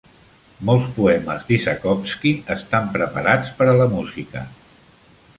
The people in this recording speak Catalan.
Molts poemes d'Isakovsky estan preparats per a la música.